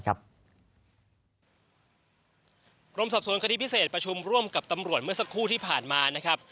กรมสอบสวนคดีพิเศษประชุมร่วมกับตำรวจเมื่อสักครู่ที่ผ่านมานะครับ